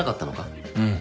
うん。